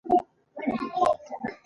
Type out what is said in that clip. زما خداے چرته دے؟